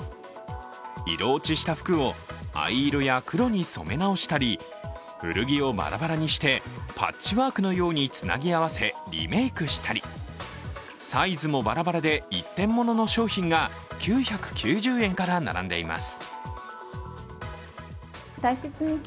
色落ちした服を、藍色や黒に染め直したり古着をバラバラにしてパッチワークのようにつなぎ合わせリメークしたりサイズもバラバラで一点物の商品が９９０円から並んでいます。